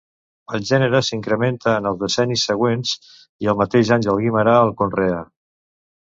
El gènere s'incrementa en els decennis següents i el mateix Àngel Guimerà el conreà.